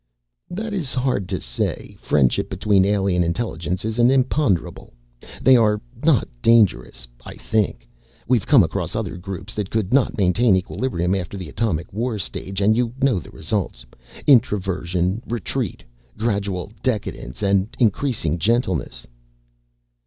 "That is hard to say. Friendship between alien intelligences is an imponderable. They are not dangerous, I think. We've come across other groups that could not maintain equilibrium after the atomic war stage and you know the results. Introversion. Retreat. Gradual decadence and increasing gentleness."